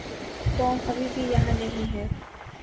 Tom ابھی بھی یہاں نہیں ہے۔